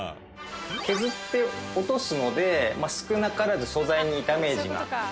削って落とすので少なからず素材にダメージがかかりますから。